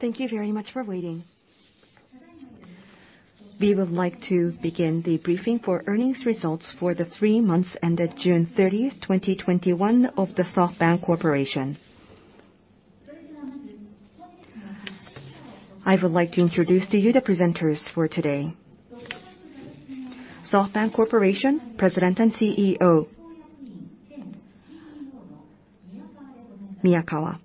Thank you very much for waiting. We would like to begin the briefing for earnings results for the three months ended June 30, 2021, of the SoftBank Corporation. I would like to introduce to you the presenters for today. SoftBank Corporation, President and CEO, Miyakawa.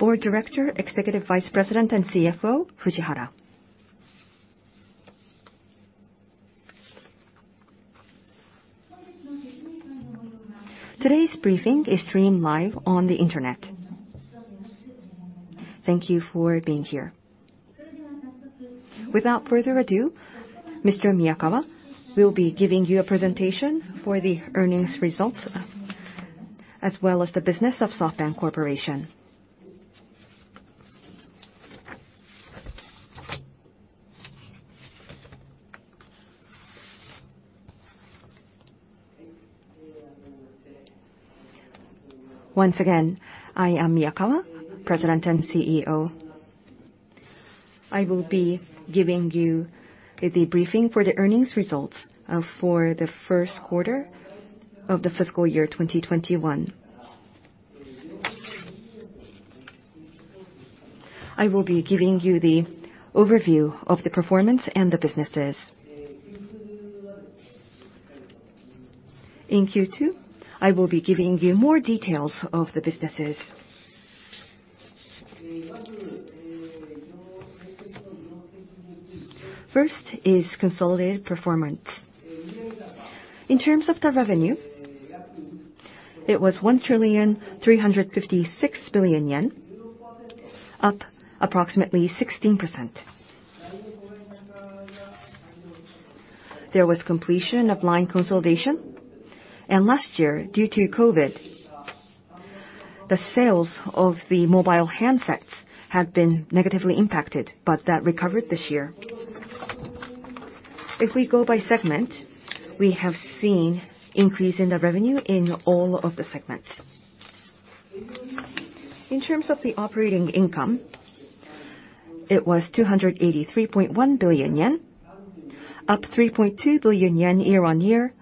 Board Director, Executive Vice President, and CFO, Fujihara. Today's briefing is streamed live on the internet. Thank you for being here. Without further ado, Mr. Miyakawa will be giving you a presentation for the earnings results, as well as the business of SoftBank Corporation. Once again, I am Miyakawa, President and CEO. I will be giving you the briefing for the earnings results for the first quarter of the fiscal year 2021. I will be giving you the overview of the performance and the businesses. In Q2, I will be giving you more details of the businesses. First is consolidated performance. In terms of the revenue, it was 1,356,000,000,000 yen, up approximately 16%. There was completion of LINE consolidation. Last year, due to COVID, the sales of the mobile handsets have been negatively impacted, but that recovered this year. If we go by segment, we have seen increase in the revenue in all of the segments. In terms of the operating income, it was 283.1 billion yen, up 3.2 billion yen year-over-year,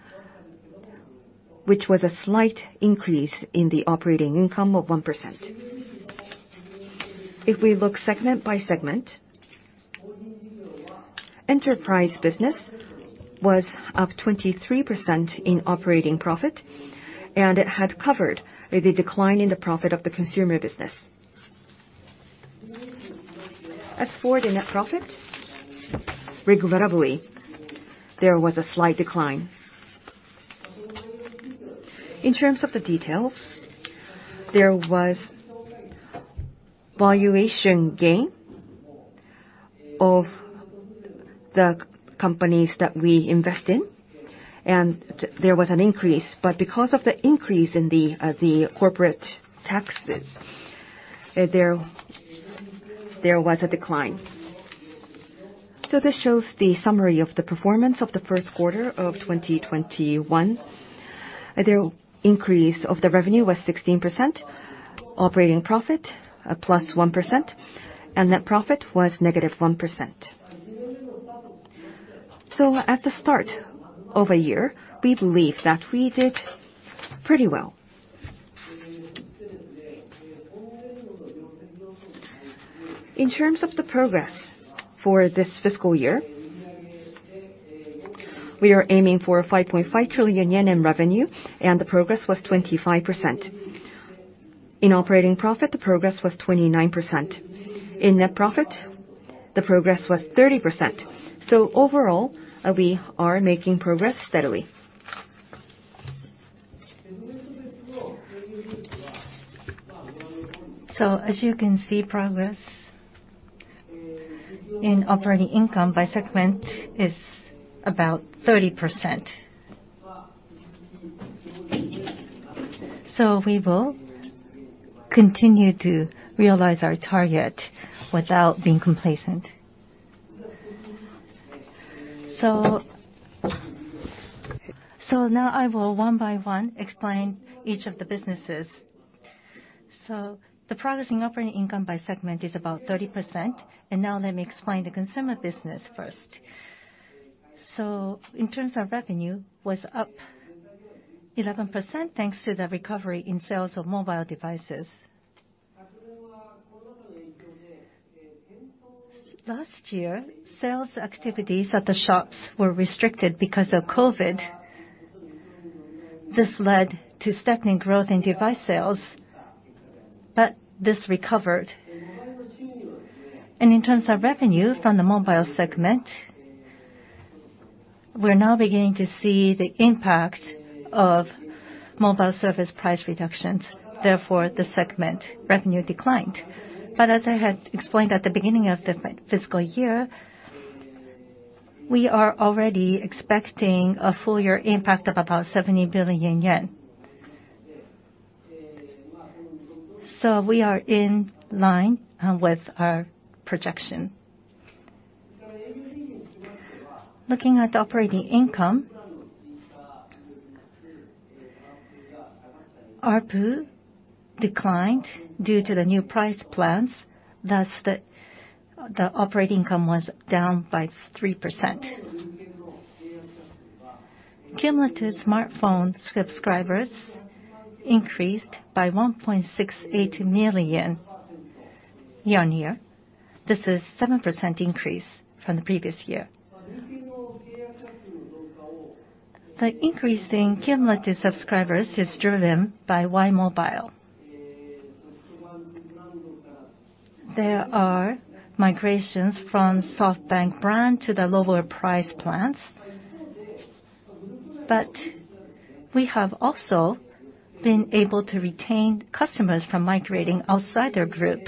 which was a slight increase in the operating income of 1%. If we look segment by segment, enterprise business was up 23% in operating profit, and it had covered the decline in the profit of the consumer business. As for the net profit, regrettably, there was a slight decline. In terms of the details, there was valuation gain of the companies that we invest in, and there was an increase. Because of the increase in the corporate taxes, there was a decline. This shows the summary of the performance of the 1st quarter of 2021. The increase of the revenue was 16%, operating profit plus 1%, and net profit was -1%. At the start of a year, we believe that we did pretty well. In terms of the progress for this fiscal year, we are aiming for 5.5 trillion yen in revenue, and the progress was 25%. In operating profit, the progress was 29%. In net profit, the progress was 30%. Overall, we are making progress steadily. As you can see, progress in operating income by segment is about 30%. We will continue to realize our target without being complacent. Now I will one by one explain each of the businesses. The progress in operating income by segment is about 30%, and now let me explain the consumer business first. In terms of revenue, was up 11% thanks to the recovery in sales of mobile devices. Last year, sales activities at the shops were restricted because of COVID. This led to stagnant growth in device sales, but this recovered. In terms of revenue from the mobile segment, we're now beginning to see the impact of mobile service price reductions, therefore the segment revenue declined. As I had explained at the beginning of the fiscal year, we are already expecting a full-year impact of about 70 billion yen. We are in line with our projection. Looking at operating income, ARPU declined due to the new price plans. The operating income was down by 3%. Cumulative smartphone subscribers increased by 1.68 million year-on-year. This is 7% increase from the previous year. The increase in cumulative subscribers is driven by Y!mobile. There are migrations from SoftBank brand to the lower price plans. We have also been able to retain customers from migrating outside their group.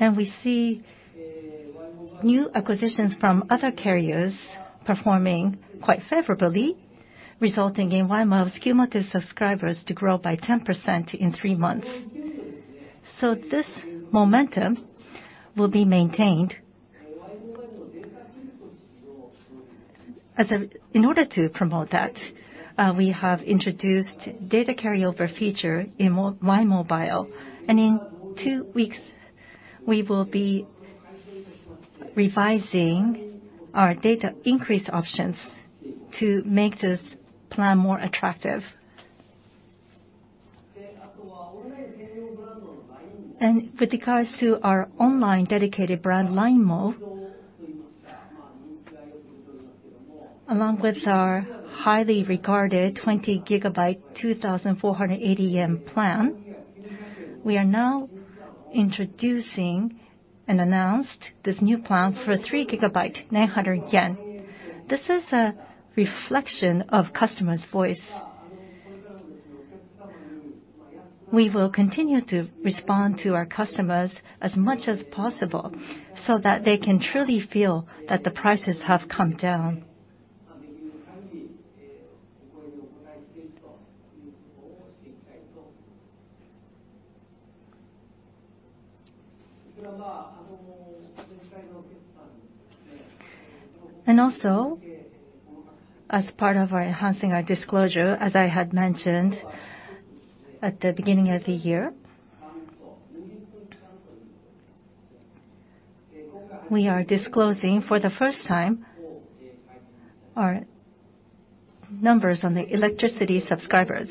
We see new acquisitions from other carriers performing quite favorably, resulting in Y!mobile's cumulative subscribers to grow by 10% in three months. This momentum will be maintained. In order to promote that, we have introduced data carryover feature in Y!mobile, and in two weeks, we will be revising our data increase options to make this plan more attractive. With regards to our online dedicated brand, LINEMO, along with our highly regarded 20 GB, 2,480 plan, we are now introducing and announced this new plan for 3 GB, 900 yen. This is a reflection of customers' voice. We will continue to respond to our customers as much as possible so that they can truly feel that the prices have come down. Also, as part of enhancing our disclosure, as I had mentioned at the beginning of the year, we are disclosing for the first time our numbers on the electricity subscribers.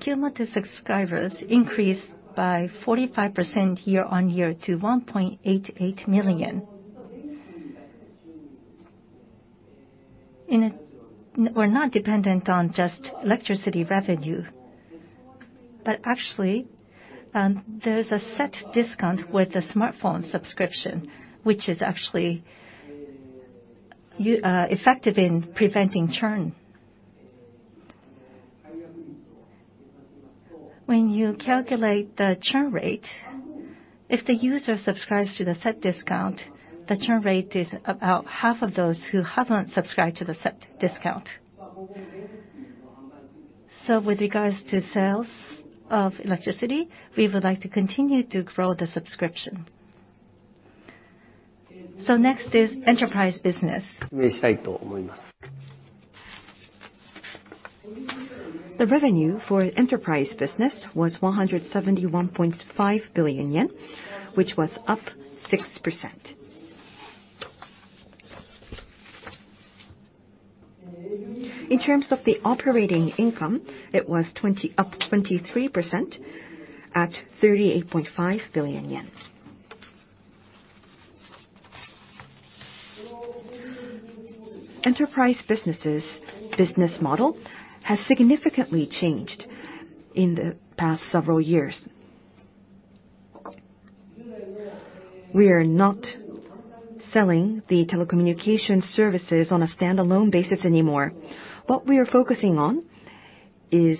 Cumulative subscribers increased by 45% year-on-year to 1.88 million. We're not dependent on just electricity revenue, but actually, there's a set discount with the smartphone subscription, which is actually effective in preventing churn. When you calculate the churn rate, if the user subscribes to the set discount, the churn rate is about half of those who haven't subscribed to the set discount. With regards to sales of electricity, we would like to continue to grow the subscription. Next is enterprise business. The revenue for enterprise business was 171.5 billion yen, which was up 6%. In terms of the operating income, it was up 23% at JPY 38.5 billion. Enterprise business' business model has significantly changed in the past several years. We are not selling the telecommunication services on a standalone basis anymore. What we are focusing on is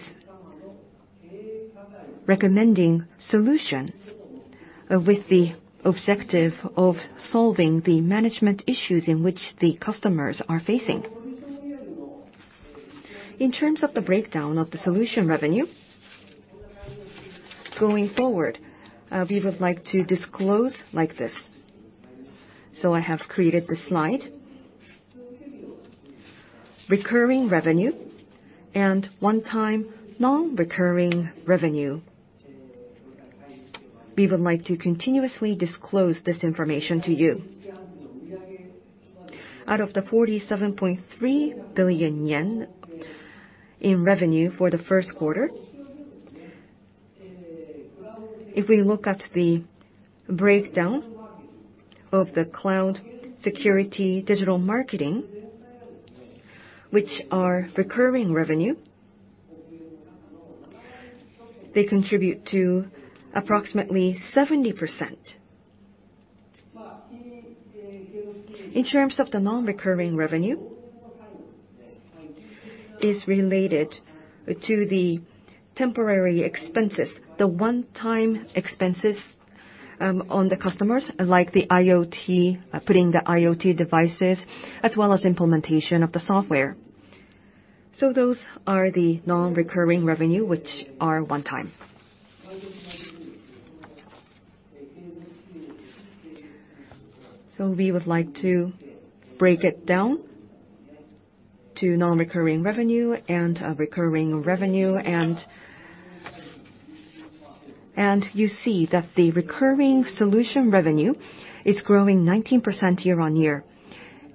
recommending solution with the objective of solving the management issues in which the customers are facing. In terms of the breakdown of the solution revenue, going forward, we would like to disclose like this. I have created this slide. Recurring revenue and one-time non-recurring revenue. We would like to continuously disclose this information to you. Out of the 47.3 billion yen in revenue for the first quarter, if we look at the breakdown of the cloud security digital marketing, which are recurring revenue, they contribute to approximately 70%. In terms of the non-recurring revenue, it's related to the temporary expenses. The one-time expenses on the customers, like the IoT, putting the IoT devices, as well as implementation of the software. Those are the non-recurring revenue, which are one time. We would like to break it down to non-recurring revenue and recurring revenue. You see that the recurring solution revenue is growing 19% year-on-year.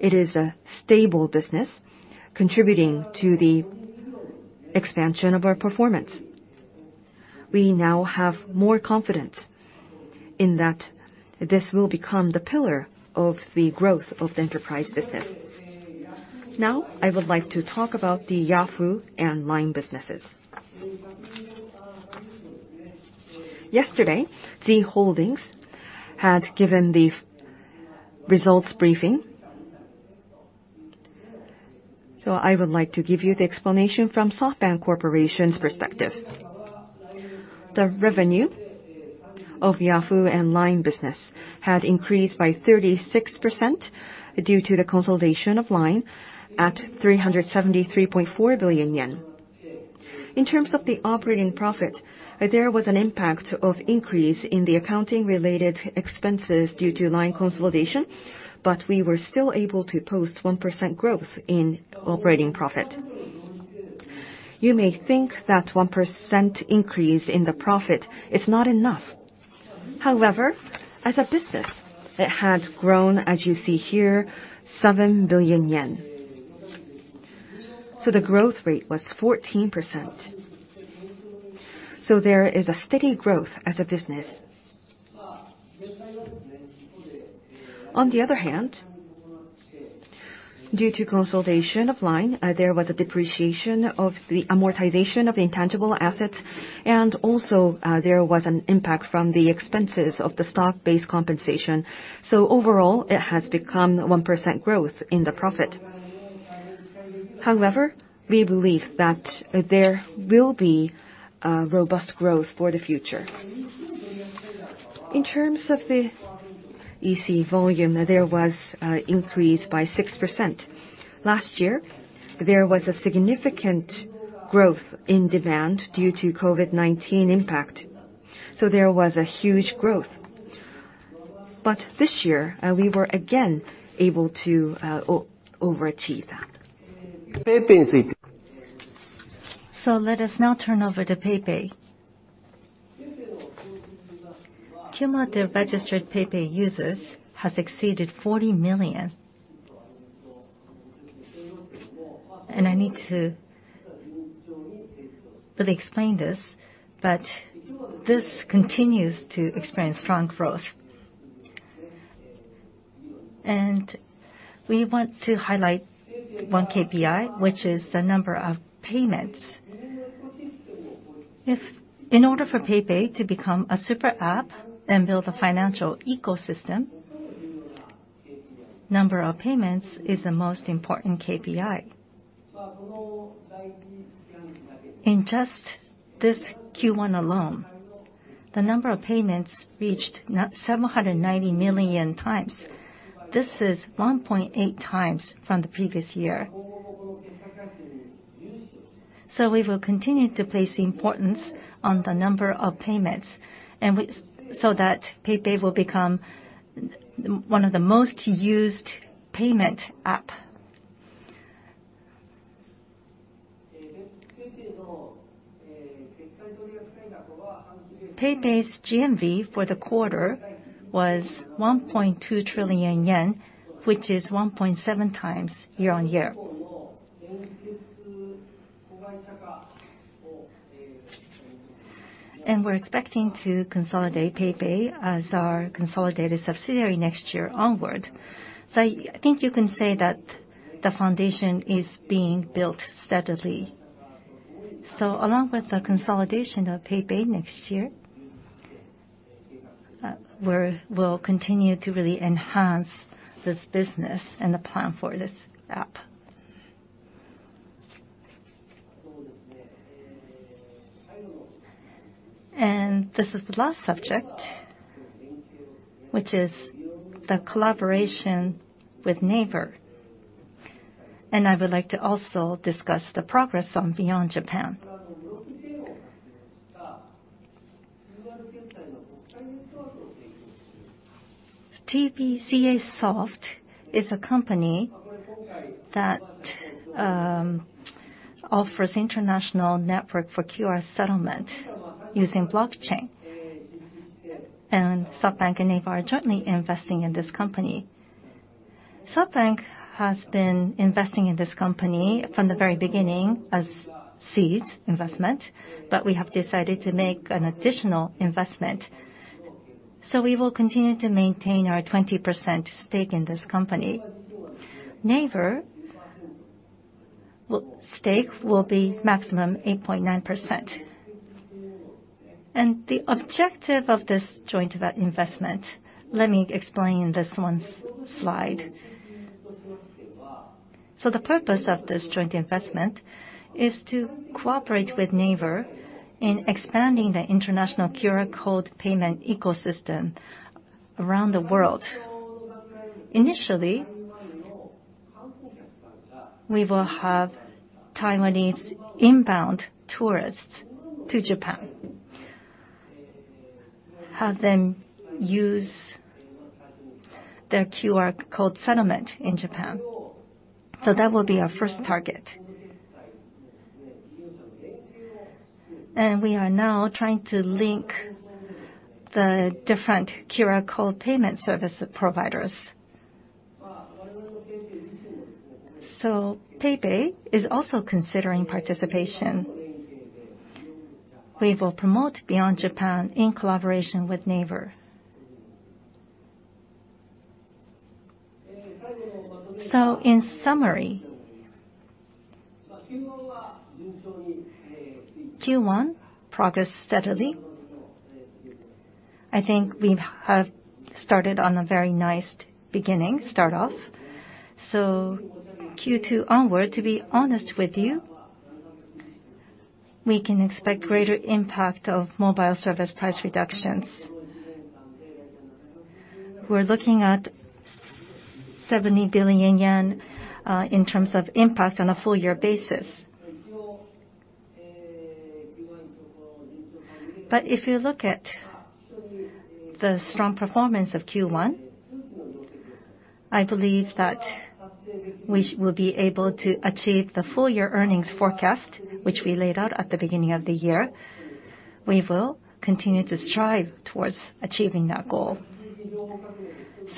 It is a stable business contributing to the expansion of our performance. We now have more confidence in that this will become the pillar of the growth of the enterprise business. Now, I would like to talk about the Yahoo and LINE businesses. Yesterday, Z Holdings had given the results briefing. I would like to give you the explanation from SoftBank Corporation's perspective. The revenue of Yahoo and LINE business had increased by 36% due to the consolidation of LINE, at 373.4 billion yen. In terms of the operating profit, there was an impact of increase in the accounting-related expenses due to LINE consolidation, but we were still able to post 1% growth in operating profit. You may think that 1% increase in the profit is not enough. As a business, it had grown, as you see here, 7 billion yen. The growth rate was 14%. There is a steady growth as a business. On the other hand, due to consolidation of LINE, there was a depreciation of the amortization of the intangible assets, and also, there was an impact from the expenses of the stock-based compensation. Overall, it has become 1% growth in the profit. We believe that there will be robust growth for the future. In terms of the EC volume, there was increase by 6%. Last year, there was a significant growth in demand due to COVID-19 impact, so there was a huge growth. This year, we were again able to overachieve that. Let us now turn over to PayPay. Cumulative registered PayPay users has exceeded 40 million. I need to really explain this, but this continues to experience strong growth. We want to highlight one KPI, which is the number of payments. If in order for PayPay to become a super app and build a financial ecosystem, number of payments is the most important KPI. In just this Q1 alone, the number of payments reached 790 million times. This is 1.8x from the previous year. We will continue to place importance on the number of payments, so that PayPay will become one of the most used payment app. PayPay's GMV for the quarter was 1.2 trillion yen, which is 1.7x year-on-year. We're expecting to consolidate PayPay as our consolidated subsidiary next year onward. I think you can say that the foundation is being built steadily. Along with the consolidation of PayPay next year, we'll continue to really enhance this business and the plan for this app. This is the last subject, which is the collaboration with Naver, and I would like to also discuss the progress on beyond Japan. TBCASoft is a company that offers international network for QR settlement using blockchain, and SoftBank and Naver are jointly investing in this company. SoftBank has been investing in this company from the very beginning as seeds investment, but we have decided to make an additional investment. We will continue to maintain our 20% stake in this company. Naver stake will be maximum 8.9%. The objective of this joint investment, let me explain in this one slide. The purpose of this joint investment is to cooperate with Naver in expanding the international QR code payment ecosystem around the world. Initially, we will have Taiwanese inbound tourists to Japan have them use their QR code settlement in Japan. That will be our first target. We are now trying to link the different QR code payment service providers. PayPay is also considering participation. We will promote Beyond Japan in collaboration with Naver. In summary, Q1 progressed steadily. I think we have started on a very nice beginning, start off. Q2 onward, to be honest with you, we can expect greater impact of mobile service price reductions. We're looking at 70 billion yen in terms of impact on a full-year basis. If you look at the strong performance of Q1, I believe that we will be able to achieve the full-year earnings forecast, which we laid out at the beginning of the year. We will continue to strive towards achieving that goal.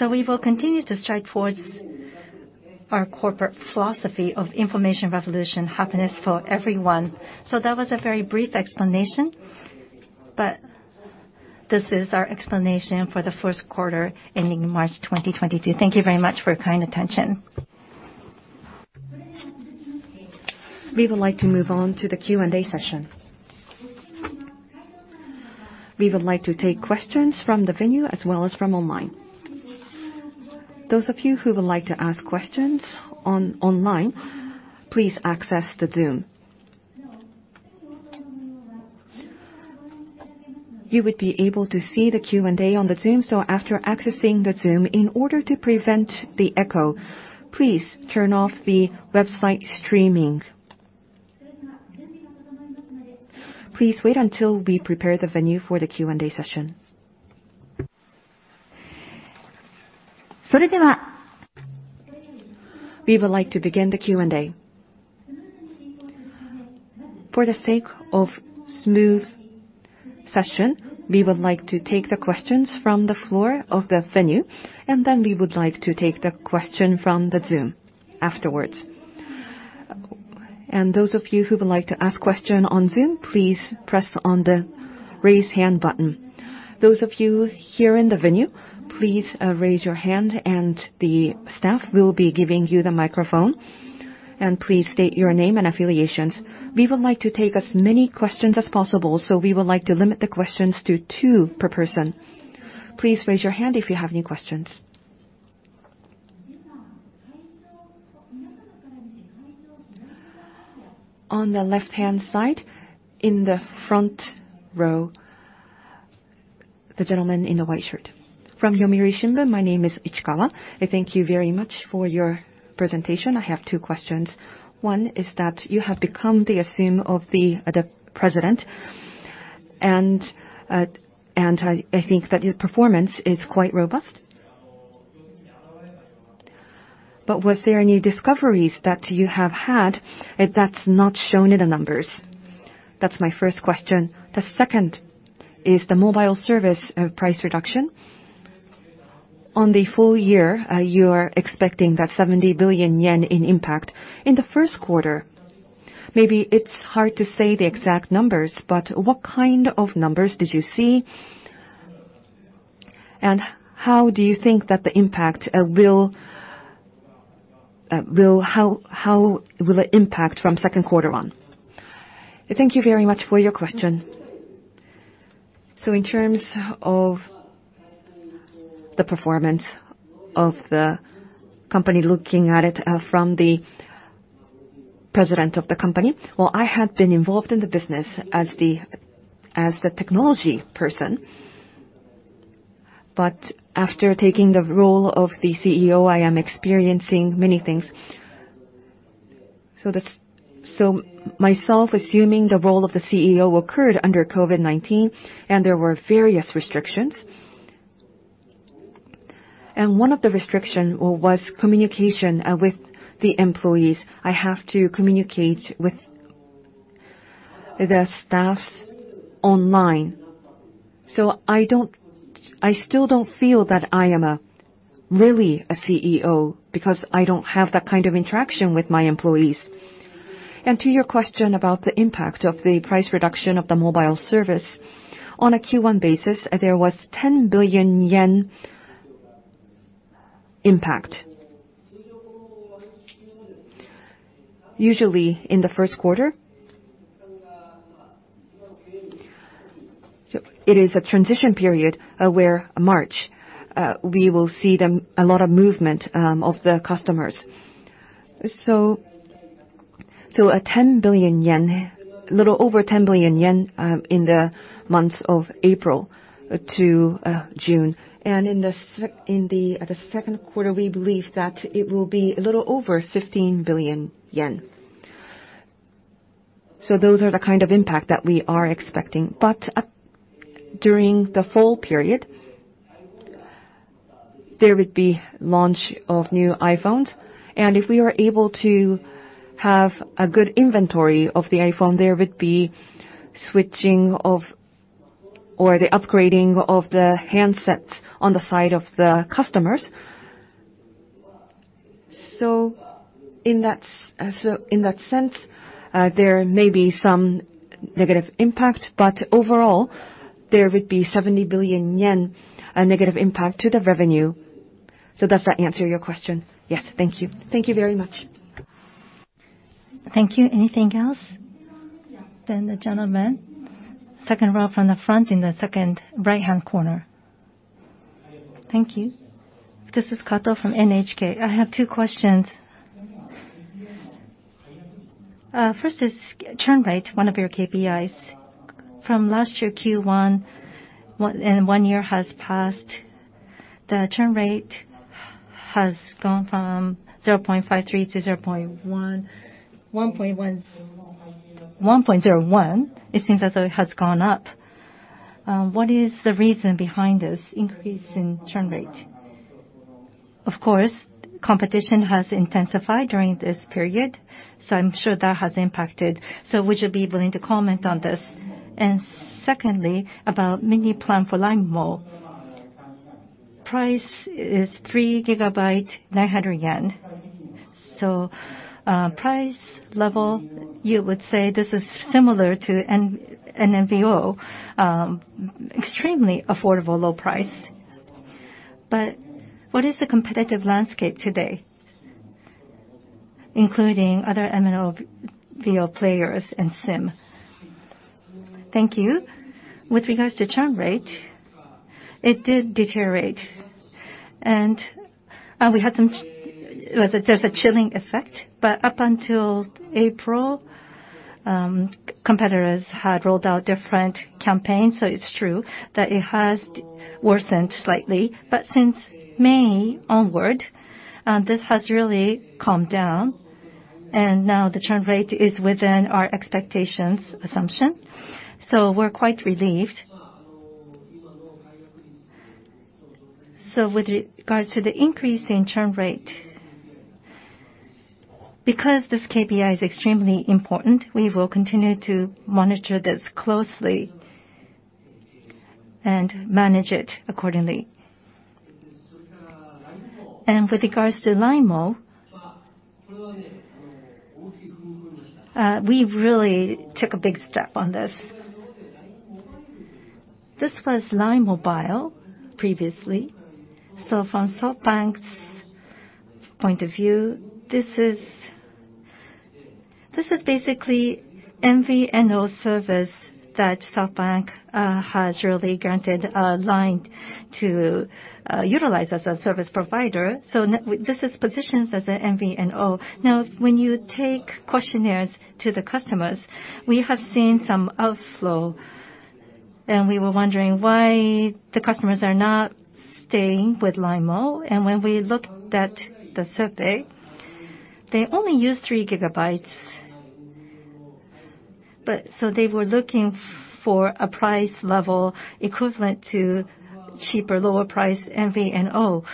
We will continue to strive towards our corporate philosophy of information revolution happiness for everyone. That was a very brief explanation, but this is our explanation for the first quarter ending in March 2022. Thank you very much for your kind attention. We would like to move on to the Q&A session. We would like to take questions from the venue as well as from online. Those of you who would like to ask questions online, please access the Zoom. You would be able to see the Q&A on the Zoom. After accessing the Zoom, in order to prevent the echo, please turn off the website streaming. Please wait until we prepare the venue for the Q&A session. We would like to begin the Q&A. For the sake of smooth session, we would like to take the questions from the floor of the venue, and then we would like to take the question from the Zoom afterwards. Those of you who would like to ask question on Zoom, please press on the raise hand button. Those of you here in the venue, please raise your hand and the staff will be giving you the microphone, and please state your name and affiliations. We would like to take as many questions as possible, so we would like to limit the questions to two per person. Please raise your hand if you have any questions. On the left-hand side, in the front row, the gentleman in the white shirt. From The Yomiuri Shimbun. My name is Ichikawa. I thank you very much for your presentation. I have two questions. One is that you have become the assume of the president, and I think that your performance is quite robust. Was there any discoveries that you have had that's not shown in the numbers? That's my first question. The second is the mobile service price reduction. On the full year, you are expecting that 70 billion yen in impact. In the first quarter, maybe it's hard to say the exact numbers, but what kind of numbers did you see? How do you think that will impact from second quarter on? Thank you very much for your question. In terms of the performance of the company, looking at it from the president of the company, well, I have been involved in the business as the technology person. After taking the role of the CEO, I am experiencing many things. Myself assuming the role of the CEO occurred under COVID-19, and there were various restrictions, and one of the restriction was communication with the employees. I have to communicate with the staff online. I still don't feel that I am really a CEO, because I don't have that kind of interaction with my employees. To your question about the impact of the price reduction of the mobile service, on a Q1 basis, there was 10 billion yen impact. Usually in the first quarter. It is a transition period where March, we will see a lot of movement of the customers. A little over 10 billion yen in the months of April to June. In the second quarter, we believe that it will be a little over 15 billion yen. Those are the kind of impact that we are expecting. During the fall period, there would be launch of new iPhones, and if we are able to have a good inventory of the iPhone, there would be switching of, or the upgrading of the handsets on the side of the customers. In that sense, there may be some negative impact, but overall, there would be 70 billion yen negative impact to the revenue. Does that answer your question? Yes. Thank you. Thank you very much. Thank you. Anything else? The gentleman, second row from the front in the second right-hand corner. Thank you. This is Kato from NHK. I have two questions. First is churn rate, one of your KPIs. From last year Q1, one year has passed, the churn rate has gone from 0.53 to 1.01. It seems as though it has gone up. What is the reason behind this increase in churn rate? Of course, competition has intensified during this period, so I'm sure that has impacted. Would you be willing to comment on this? Secondly, about Mini Plan for LINEMO. Price is 3 GB, 900 yen. Price level, you would say this is similar to an MVNO, extremely affordable, low price. What is the competitive landscape today, including other MVNO players and SIM? Thank you. With regards to churn rate, it did deteriorate. There's a chilling effect. Up until April, competitors had rolled out different campaigns. It's true that it has worsened slightly. Since May onward, this has really calmed down. Now the churn rate is within our expectations assumption. We're quite relieved. With regards to the increase in churn rate, because this KPI is extremely important, we will continue to monitor this closely and manage it accordingly. With regards to LINEMO, we really took a big step on this. This was LINE Mobile previously. From SoftBank's point of view, this is basically MVNO service that SoftBank has really granted LINE Corporation to utilize as a service provider. This is positioned as an MVNO. Now, when you take questionnaires to the customers, we have seen some outflow, and we were wondering why the customers are not staying with LINEMO. When we looked at the survey, they only use 3 GB. They were looking for a price level equivalent to cheaper, lower price MVNO.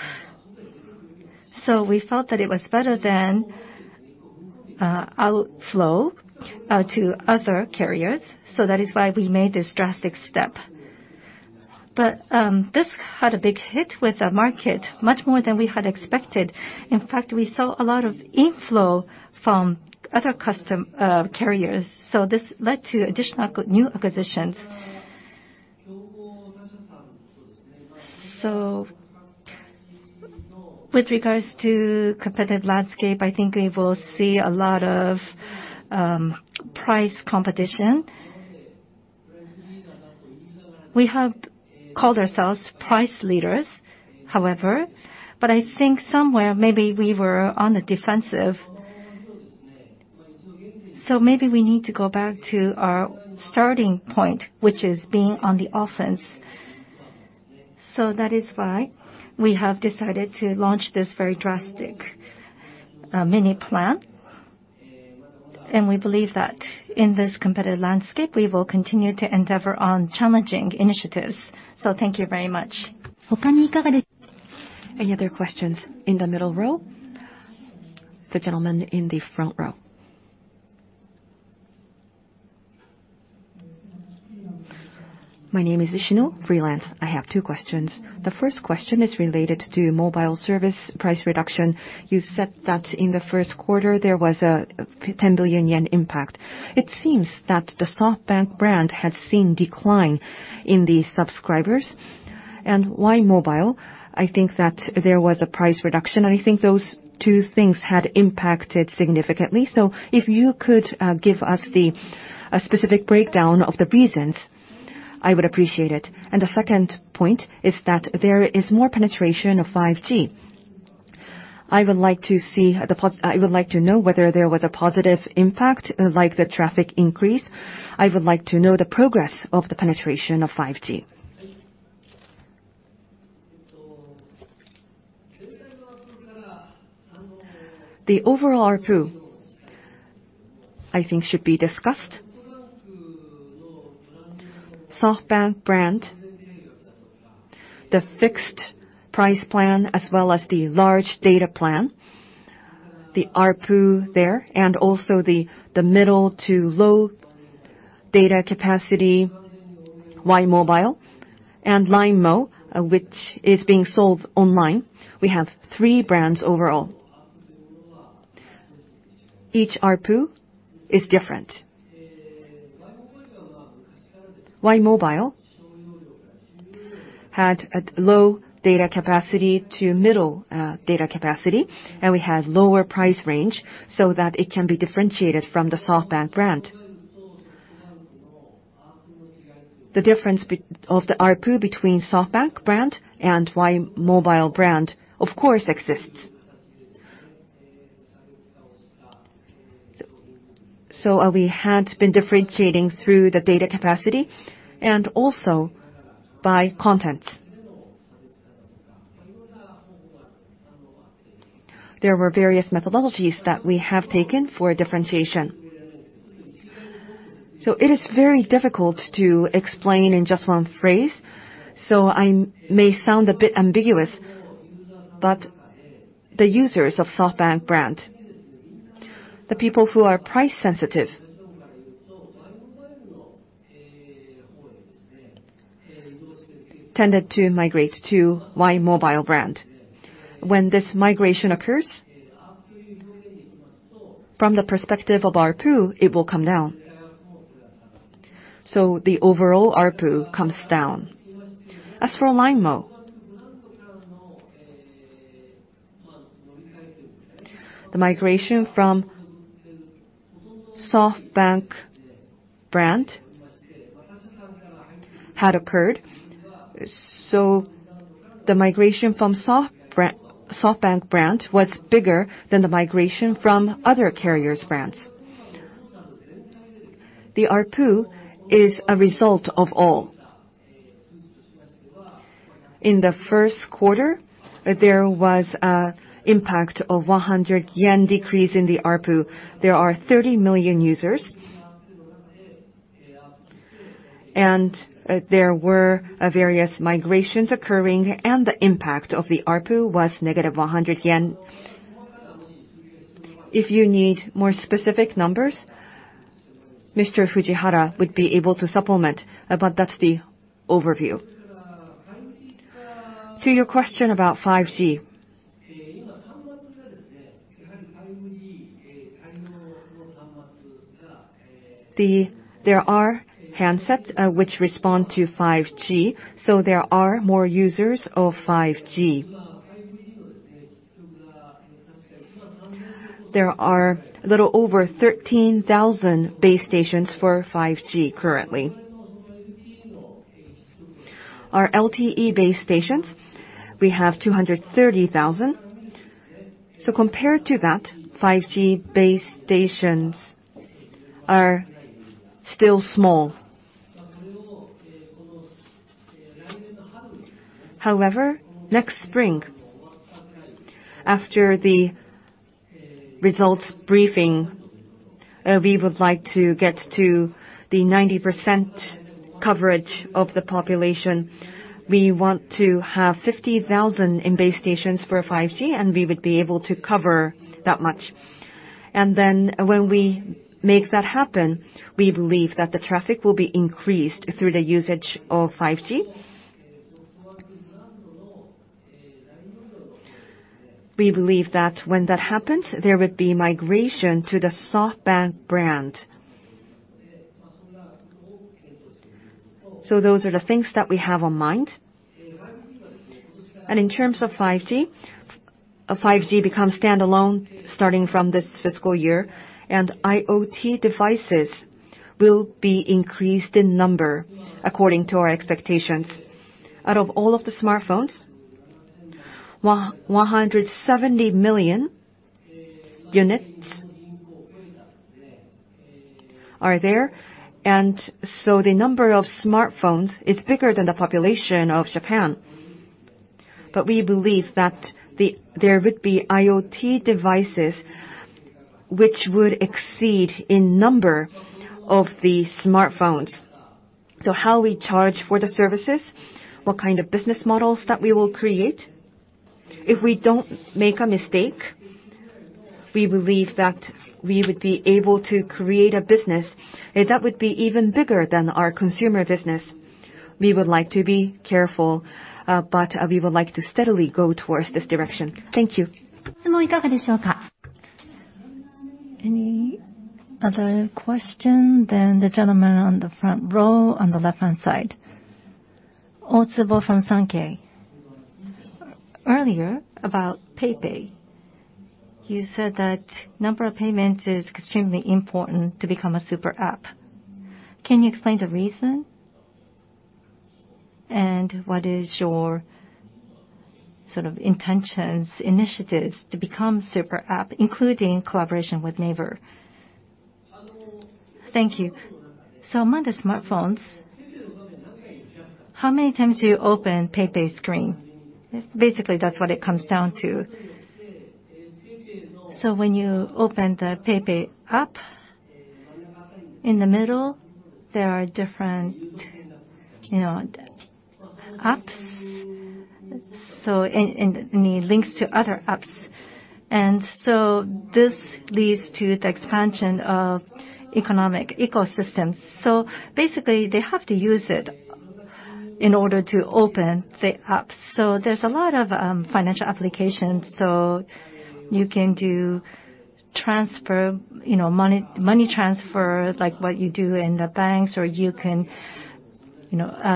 We felt that it was better than outflow to other carriers. That is why we made this drastic step. This had a big hit with the market, much more than we had expected. In fact, we saw a lot of inflow from other carriers. This led to additional new acquisitions. With regards to competitive landscape, I think we will see a lot of price competition. We have called ourselves price leaders, however, but I think somewhere, maybe we were on the defensive. Maybe we need to go back to our starting point, which is being on the offense. That is why we have decided to launch this very drastic Mini Plan. We believe that in this competitive landscape, we will continue to endeavor on challenging initiatives. Thank you very much. Any other questions? In the middle row. The gentleman in the front row. My name is Ishino, freelance. I have two questions. The first question is related to mobile service price reduction. You said that in the first quarter, there was a 10 billion yen impact. It seems that the SoftBank brand has seen decline in the subscribers. Y!mobile, I think that there was a price reduction, and I think those two things had impacted significantly. If you could give us the specific breakdown of the reasons, I would appreciate it. The second point is that there is more penetration of 5G. I would like to know whether there was a positive impact, like the traffic increase. I would like to know the progress of the penetration of 5G. The overall ARPU, I think, should be discussed. SoftBank brand, the fixed price plan, as well as the large data plan, the ARPU there, and also the middle-to-low data capacity Y!mobile and LINEMO, which is being sold online. We have three brands overall. Each ARPU is different. Y!mobile had a low data capacity to middle data capacity, and we have lower price range so that it can be differentiated from the SoftBank brand. The difference of the ARPU between SoftBank brand and Y!mobile brand, of course, exists. We had been differentiating through the data capacity and also by content. There were various methodologies that we have taken for differentiation. It is very difficult to explain in just one phrase. I may sound a bit ambiguous, but the users of SoftBank brand, the people who are price-sensitive, tended to migrate to Y!mobile brand. When this migration occurs, from the perspective of ARPU, it will come down. The overall ARPU comes down. As for LINEMO, the migration from SoftBank brand had occurred. The migration from SoftBank brand was bigger than the migration from other carriers' brands. The ARPU is a result of all. In the first quarter, there was an impact of 100 yen decrease in the ARPU. There are 30 million users, and there were various migrations occurring, and the impact of the ARPU was -100 yen. If you need more specific numbers, Mr. Fujihara would be able to supplement, but that's the overview. To your question about 5G, there are handsets which respond to 5G, so there are more users of 5G. There are a little over 13,000 base stations for 5G currently. Our LTE base stations, we have 230,000. Compared to that, 5G base stations are still small. However, next spring, after the results briefing, we would like to get to the 90% coverage of the population. We want to have 50,000 in base stations for 5G, and we would be able to cover that much. When we make that happen, we believe that the traffic will be increased through the usage of 5G. We believe that when that happens, there would be migration to the SoftBank brand. Those are the things that we have on mind. In terms of 5G becomes standalone starting from this fiscal year, and IoT devices will be increased in number, according to our expectations. Out of all of the smartphones, 170 million units are there, and so the number of smartphones is bigger than the population of Japan. We believe that there would be IoT devices which would exceed in number of the smartphones. How we charge for the services, what kind of business models that we will create. If we don't make a mistake, we believe that we would be able to create a business that would be even bigger than our consumer business. We would like to be careful. We would like to steadily go towards this direction. Thank you. Any other question? The gentleman on the front row on the left-hand side. Otsubo from Sankei. Earlier about PayPay, you said that number of payment is extremely important to become a super app. Can you explain the reason? What is your sort of intentions, initiatives to become super app, including collaboration with Naver? Thank you. Among the smartphones, how many times you open PayPay screen? Basically, that's what it comes down to. When you open the PayPay app, in the middle, there are different apps and links to other apps. This leads to the expansion of economic ecosystems. Basically, they have to use it in order to open the apps. There's a lot of financial applications. You can do transfer, money transfer, like what you do in the banks, or you can,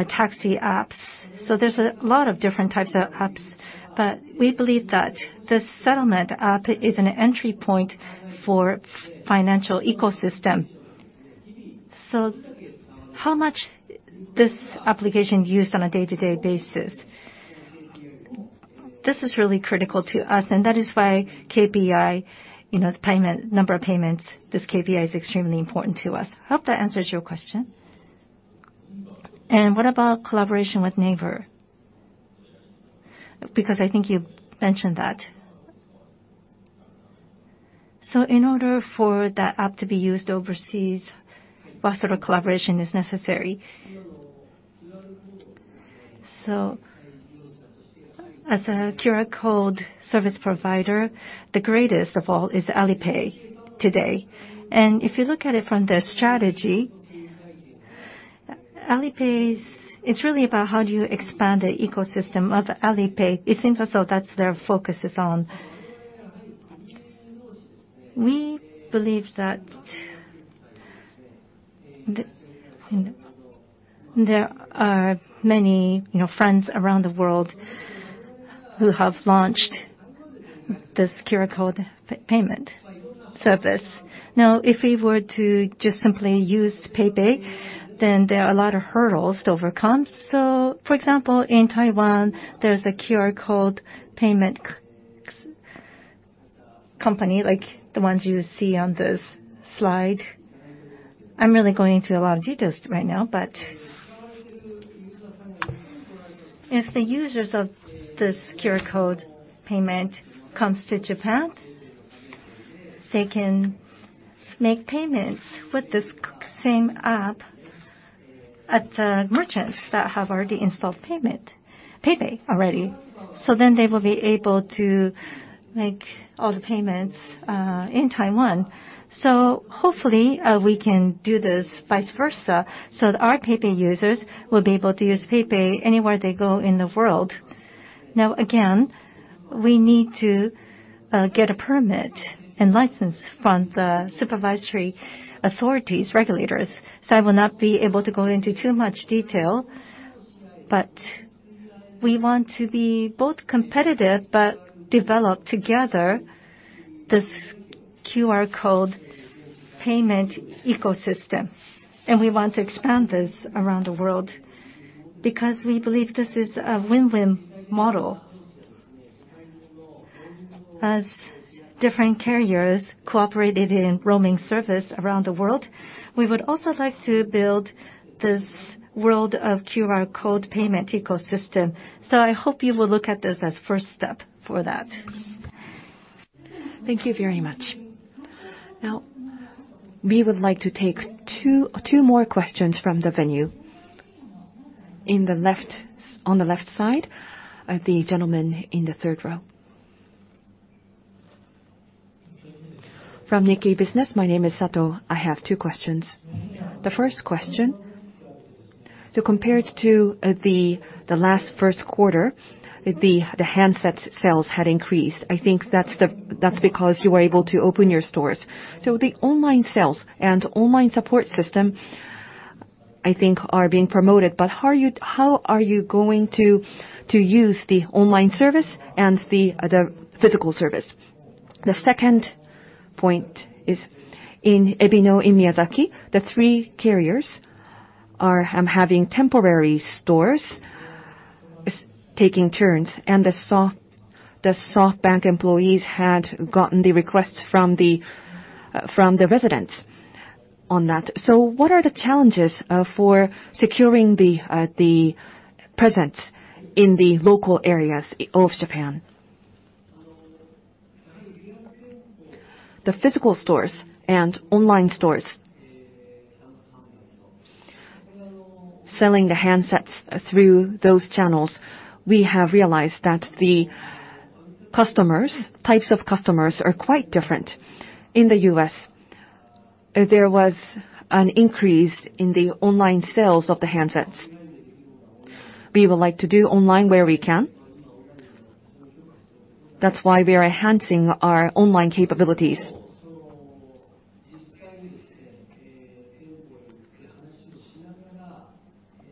taxi apps. There's a lot of different types of apps. We believe that the settlement app is an entry point for financial ecosystem. How much this application used on a day-to-day basis, this is really critical to us, and that is why KPI, the payment, number of payments, this KPI is extremely important to us. I hope that answers your question. What about collaboration with Naver? Because I think you mentioned that. In order for that app to be used overseas, what sort of collaboration is necessary? As a QR code service provider, the greatest of all is Alipay today. If you look at it from the strategy, Alipay, it's really about how do you expand the ecosystem of Alipay. It seems as though that's their focus is on. We believe that there are many friends around the world who have launched this QR code payment service. If we were to just simply use PayPay, there are a lot of hurdles to overcome. For example, in Taiwan, there's a QR code payment company like the ones you see on this slide. I'm really going into a lot of details right now, if the users of this QR code payment comes to Japan, they can make payments with this same app at the merchants that have already installed payment, PayPay already. They will be able to make all the payments, in Taiwan. Hopefully, we can do this vice versa, our PayPay users will be able to use PayPay anywhere they go in the world. Again, we need to get a permit and license from the supervisory authorities, regulators, so I will not be able to go into too much detail, but we want to be both competitive, but develop together this QR code payment ecosystem. We want to expand this around the world because we believe this is a win-win model. As different carriers cooperated in roaming service around the world, we would also like to build this world of QR code payment ecosystem. I hope you will look at this as first step for that. Thank you very much. We would like to take two more questions from the venue. On the left side, the gentleman in the third row. From Nikkei Business. My name is Sato. I have two questions. The first question, compared to the last first quarter, the handsets sales had increased. I think that's because you were able to open your stores. The online sales and online support system, I think are being promoted, but how are you going to use the online service and the other physical service? The second point is in Ebino, in Miyazaki, the three carriers are having temporary stores, taking turns, and the SoftBank employees had gotten the requests from the residents on that. What are the challenges for securing the presence in the local areas of Japan? The physical stores and online stores, selling the handsets through those channels, we have realized that the types of customers are quite different. In the U.S., there was an increase in the online sales of the handsets. We would like to do online where we can. That's why we are enhancing our online capabilities.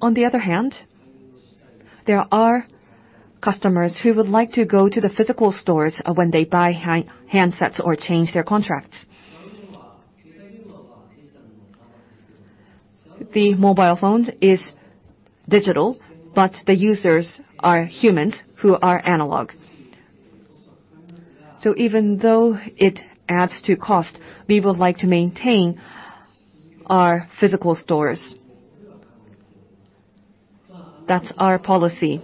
On the other hand, there are customers who would like to go to the physical stores when they buy handsets or change their contracts. The mobile phone is digital, but the users are humans who are analog. Even though it adds to cost, we would like to maintain our physical stores. That's our policy.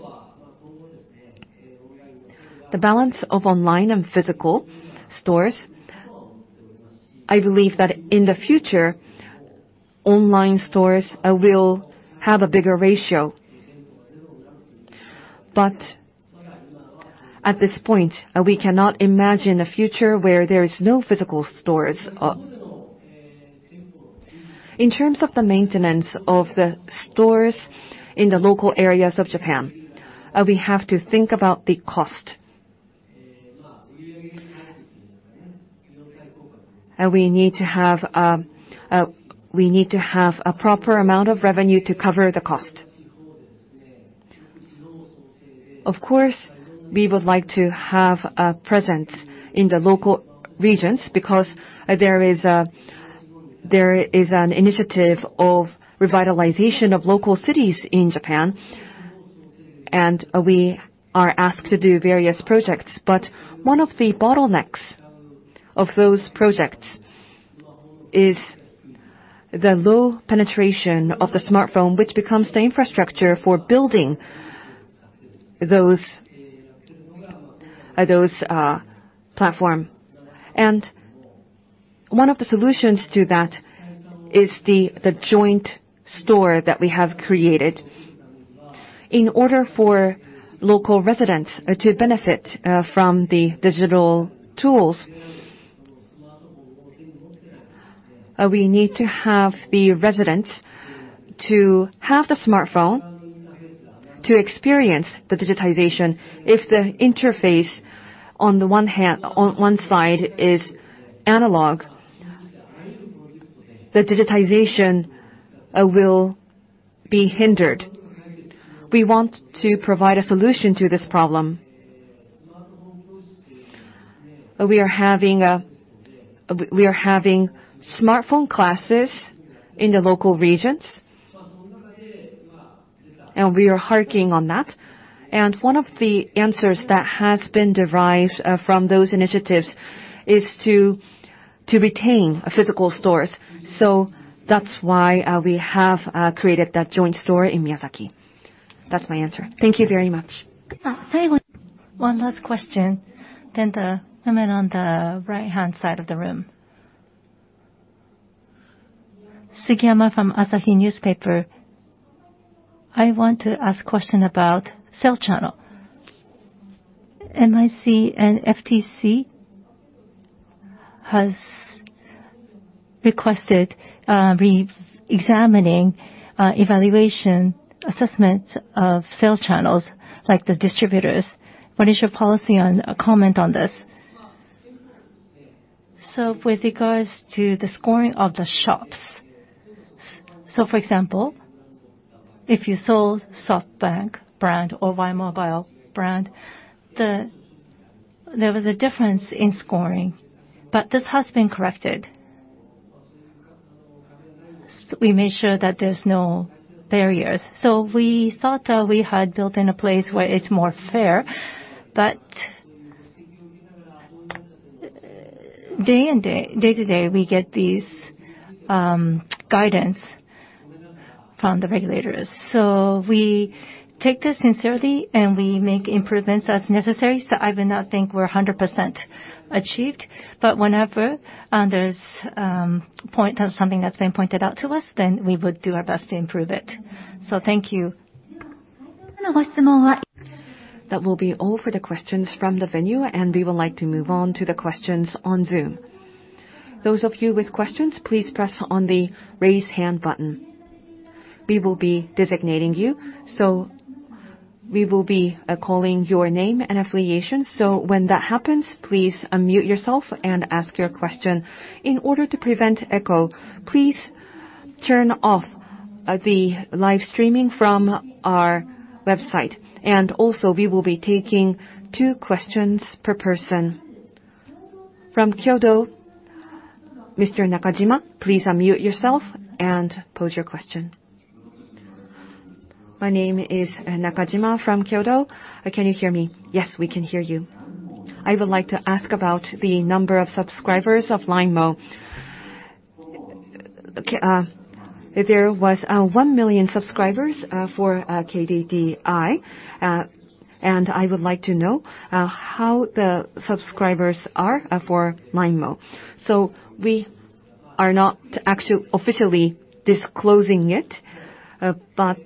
The balance of online and physical stores, I believe that in the future, online stores will have a bigger ratio. At this point, we cannot imagine a future where there is no physical stores. In terms of the maintenance of the stores in the local areas of Japan, we have to think about the cost. We need to have a proper amount of revenue to cover the cost. We would like to have a presence in the local regions because there is an initiative of revitalization of local cities in Japan, and we are asked to do various projects. One of the bottlenecks of those projects is the low penetration of the smartphone, which becomes the infrastructure for building those platform. One of the solutions to that is the joint store that we have created. In order for local residents to benefit from the digital tools, we need to have the residents to have the smartphone to experience the digitization. If the interface on one side is analog, the digitization will be hindered. We want to provide a solution to this problem. We are having smartphone classes in the local regions, and we are harking on that. One of the answers that has been derived from those initiatives is to retain physical stores. That's why we have created that joint store in Miyazaki. That's my answer. Thank you very much. One last question, then the gentleman on the right-hand side of the room. Sugiyama from Asahi Newspaper. I want to ask question about cell channel. MIC and FTC has requested re-examining evaluation assessment of sales channels like the distributors. What is your policy on comment on this? With regards to the scoring of the shops, for example, if you sold SoftBank brand or Y!mobile brand, there was a difference in scoring, but this has been corrected. We made sure that there's no barriers. We thought we had built in a place where it's more fair, but day-to-day, we get these guidance from the regulators. We take this sincerely, and we make improvements as necessary. I would not think we're 100% achieved, but whenever there's something that's been pointed out to us, then we would do our best to improve it. Thank you. That will be all for the questions from the venue, and we would like to move on to the questions on Zoom. Those of you with questions, please press on the raise hand button. We will be designating you, so we will be calling your name and affiliation. When that happens, please unmute yourself and ask your question. In order to prevent echo, please turn off the live streaming from our website. We will be taking two questions per person. From Kyodo, Mr. Nakajima, please unmute yourself and pose your question. My name is Nakajima from Kyodo. Can you hear me? Yes, we can hear you. I would like to ask about the number of subscribers of LINEMO. There was 1 million subscribers for KDDI, and I would like to know how the subscribers are for LINEMO? We are not officially disclosing it, but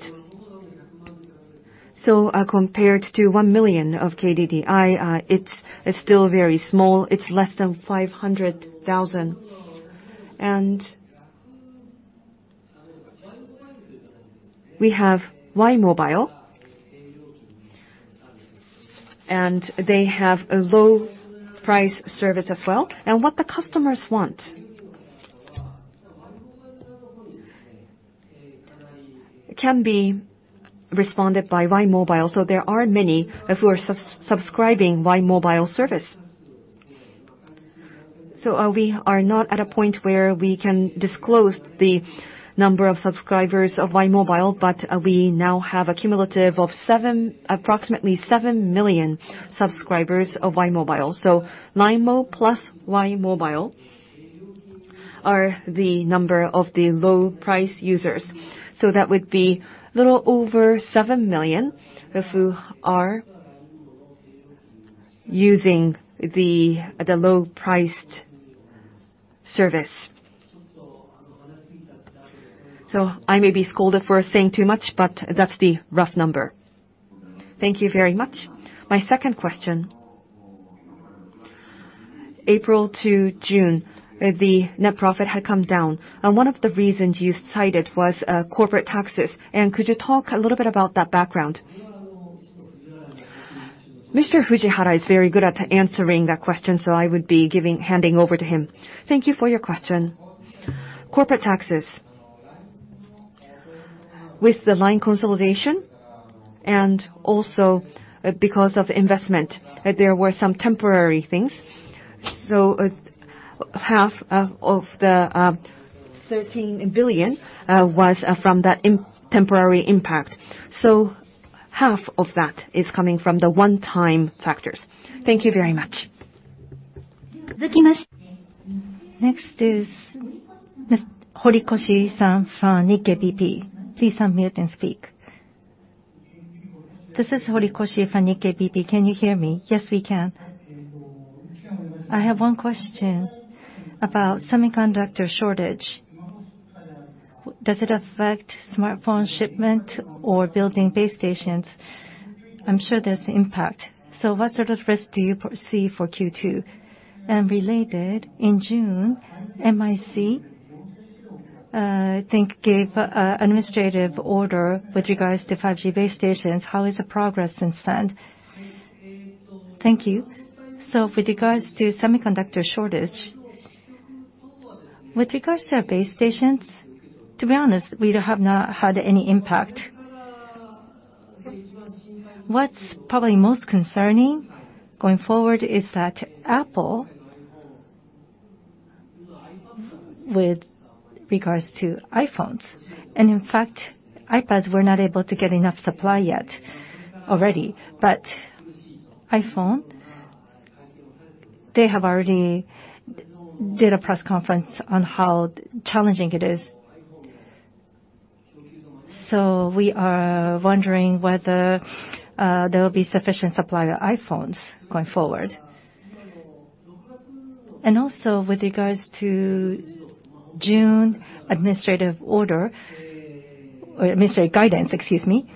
compared to 1 million of KDDI, it's still very small. It's less than 500,000. We have Y!mobile, and they have a low price service as well. What the customers want can be responded by Y!mobile. There are many who are subscribing Y!mobile service. We are not at a point where we can disclose the number of subscribers of Y!mobile, but we now have a cumulative of approximately 7 million subscribers of Y!mobile. LINEMO plus Y!mobile are the number of the low-price users. That would be little over 7 million who are using the low-priced service. I may be scolded for saying too much, but that's the rough number. Thank you very much. My second question, April to June, the net profit had come down, and one of the reasons you cited was corporate taxes. Could you talk a little about that background? Mr. Fujihara is very good at answering that question, so I would be handing over to him. Thank you for your question. Corporate taxes. With the LINE consolidation, and also because of investment, there were some temporary things. Half of the 13 billion was from that temporary impact. Half of that is coming from the one-time factors. Thank you very much. Next is Ms. Horikoshi from Nikkei BP. Please unmute and speak. This is Horikoshi from Nikkei BP. Can you hear me? Yes, we can. I have one question about semiconductor shortage. Does it affect smartphone shipment or building base stations? I'm sure there's impact. What sort of risk do you foresee for Q2? Related, in June, MIC, I think, gave administrative order with regards to 5G base stations. How is the progress since then? Thank you. With regards to semiconductor shortage, with regards to our base stations, to be honest, we have not had any impact. What's probably most concerning going forward is that Apple, with regards to iPhones, and in fact, iPads were not able to get enough supply yet already. iPhone, they have already did a press conference on how challenging it is. We are wondering whether there will be sufficient supply of iPhones going forward. Also, with regards to June administrative order, or administrative guidance, excuse me.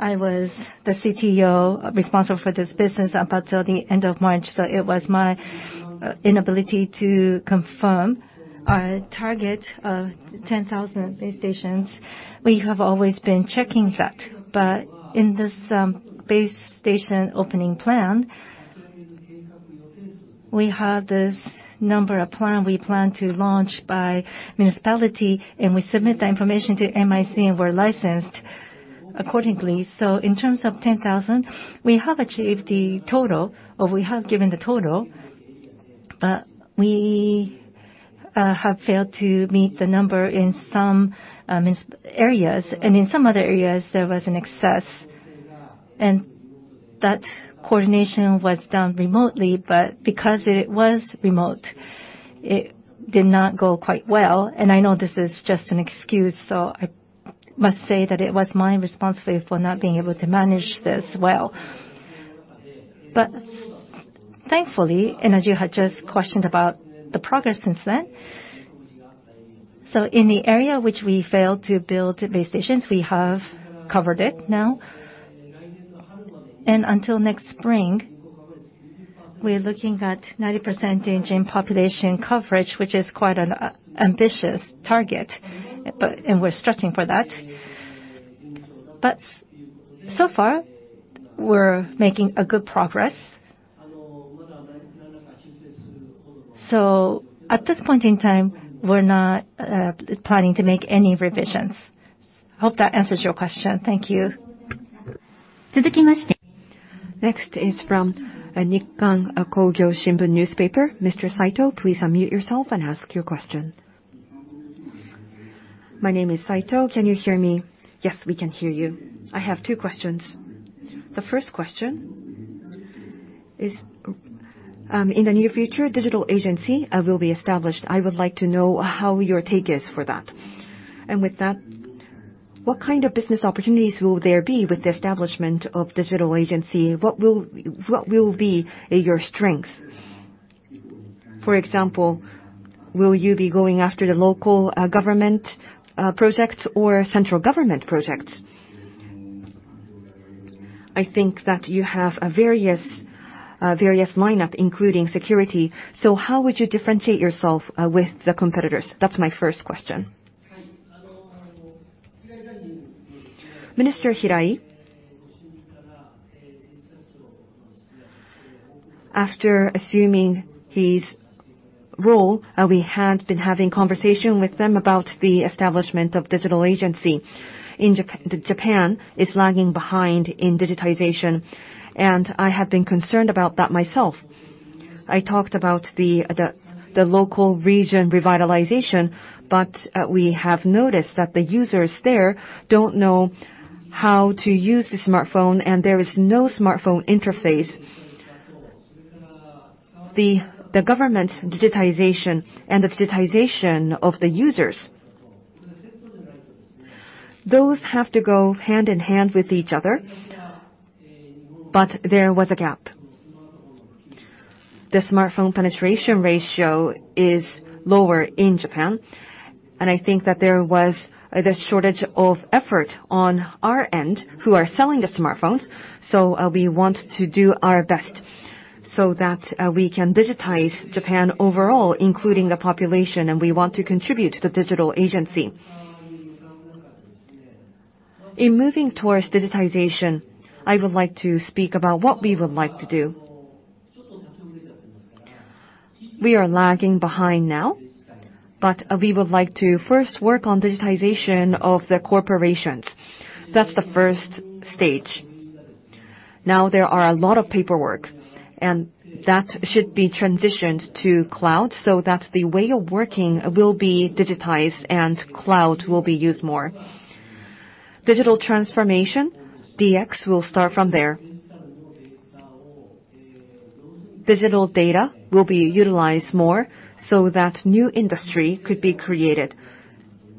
I was the CTO responsible for this business up until the end of March, so it was my inability to confirm our target of 10,000 base stations. We have always been checking that. In this base station opening plan, we have this number of plan we plan to launch by municipality, and we submit that information to MIC, and we're licensed accordingly. In terms of 10,000, we have achieved the total, or we have given the total, but we have failed to meet the number in some areas. In some other areas, there was an excess. That coordination was done remotely, but because it was remote, it did not go quite well. I know this is just an excuse, so I must say that it was my responsibility for not being able to manage this well. Thankfully, as you had just questioned about the progress since then, in the area which we failed to build base stations, we have covered it now. Until next spring, we're looking at 90% change in population coverage, which is quite an ambitious target, and we're stretching for that. So far, we're making a good progress. At this point in time, we're not planning to make any revisions. Hope that answers your question. Thank you. Next is from Nikkan Kogyo Shimbun. Mr. Saito, please unmute yourself and ask your question. My name is Saito. Can you hear me? Yes, we can hear you. I have two questions. The first question is, in the near future, Digital Agency will be established. I would like to know how your take is for that. With that, what kind of business opportunities will there be with the establishment of Digital Agency? What will be your strength? For example, will you be going after the local government projects or central government projects? I think that you have a various lineup, including security. How would you differentiate yourself with the competitors? That's my first question. Minister Hirai. After assuming his role, we had been having conversation with them about the establishment of Digital Agency. Japan is lagging behind in digitization, and I had been concerned about that myself. I talked about the local region revitalization, but we have noticed that the users there don't know how to use the smartphone, and there is no smartphone interface. The government digitization and the digitization of the users, those have to go hand in hand with each other. There was a gap. The smartphone penetration ratio is lower in Japan, and I think that there was the shortage of effort on our end, who are selling the smartphones. We want to do our best so that we can digitize Japan overall, including the population, and we want to contribute to the Digital Agency. In moving towards digitization, I would like to speak about what we would like to do. We are lagging behind now, but we would like to first work on digitization of the corporations. That's the first stage. Now, there are a lot of paperwork, that should be transitioned to cloud, so that the way of working will be digitized and cloud will be used more. Digital transformation, DX, will start from there. Digital data will be utilized more so that new industry could be created.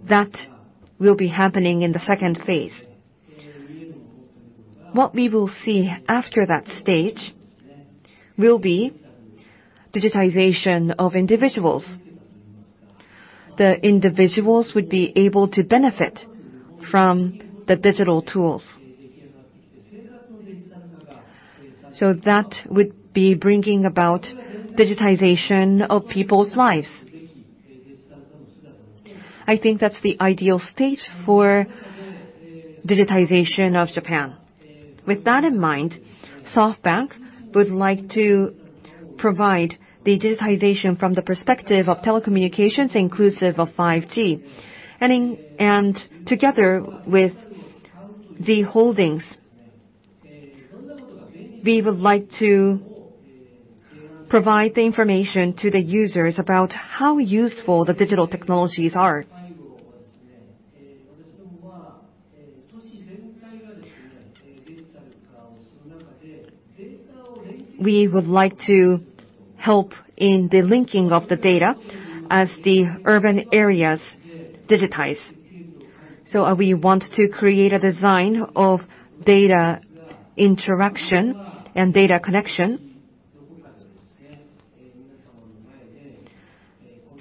That will be happening in the second phase. What we will see after that stage will be digitization of individuals. The individuals would be able to benefit from the digital tools. That would be bringing about digitization of people's lives. I think that's the ideal state for digitization of Japan. With that in mind, SoftBank would like to provide the digitization from the perspective of telecommunications inclusive of 5G. Together with the holdings, we would like to provide the information to the users about how useful the digital technologies are. We would like to help in the linking of the data as the urban areas digitize. We want to create a design of data interaction and data connection.